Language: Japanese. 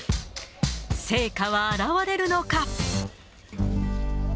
成果は表れるのか。